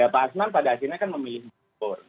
pak azman pada akhirnya kan memilih jokowi